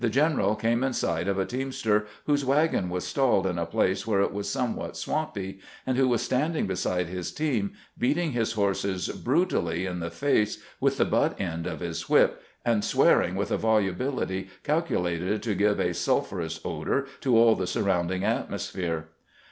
general came in sight of a teamster whose wagon was stalled in a place where it was somewhat swampy, and who was standing beside his team beating his horses brutally in the face with the butt end of his whip, and swearing with a volubility calculated to give a sulphurous odor to all the surround ing atmosphere.